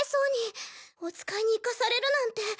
お使いに行かされるなんて。